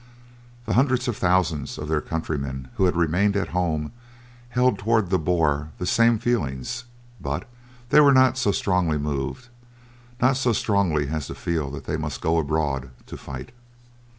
The hundreds of thousands of their countrymen who had remained at home held toward the Boer the same feelings, but they were not so strongly moved; not so strongly as to feel that they must go abroad to fight.